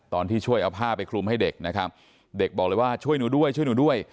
ตอนที่ช่วยเอาผ้าไปคลุมให้เด็กนะครับเด็กบอกเลยว่าช่วยหนูด้วยช่วยหนูด้วย